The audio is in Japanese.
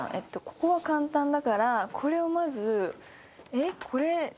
ここは簡単だからこれをまずえっ？